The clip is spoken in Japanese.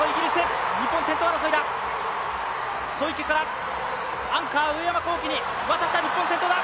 小池からアンカー、上山紘輝に渡った、日本先頭だ！